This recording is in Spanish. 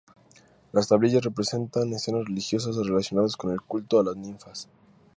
Las tablillas representan escenas religiosas relacionadas con el culto a las ninfas.